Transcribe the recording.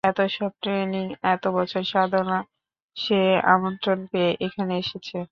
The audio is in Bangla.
তার এতসব ট্রেনিং, এত বছর সাধনা, সে আমন্ত্রণ পেয়ে এখানে এসেছে।